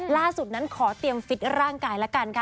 ล่าสุดนั้นขอเตรียมฟิตร่างกายละกันค่ะ